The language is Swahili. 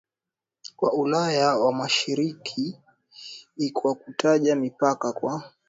wa Ulaya ya Mashariki kwa kutaja mipaka kwa